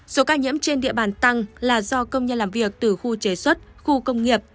số ca nhiễm trên địa bàn tăng là do công nhân làm việc từ khu chế xuất khu công nghiệp